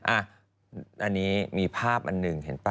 อันนี้มีภาพอันหนึ่งเห็นป่